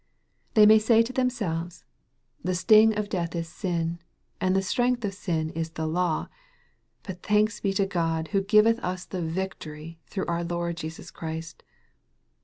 They may say to themselves, " the sting of death is sin, and the strength of sin is the law : but thanks be to God who giveth us the victory through our Lord Jesus Christ."